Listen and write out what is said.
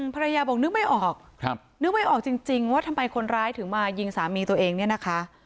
ภรรยาบอกนึกไม่ออกนึกไม่ออกจริงว่าทำไมคนร้ายถึงมายิงสามีตัวเองเนี่ยนะคะ